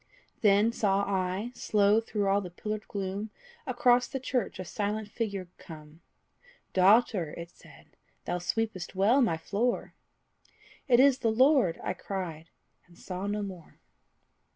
Then saw I, slow through all the pillared gloom, Across the church a silent figure come; "Daughter," it said, "thou sweepest well my floor!" It is the Lord! I cried; and saw no more.